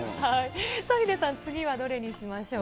さあ、ヒデさん、次はどれにしましょうか。